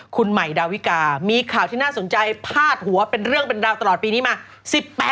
คุณใหม่ดาวิกามีข่าวที่น่าสนใจพาดหัวเป็นเรื่องเป็นราวตลอดปีนี้มา